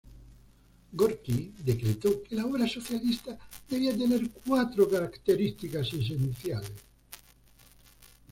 Gorki, decretó que la obra socialista debía tener cuatro características esenciales.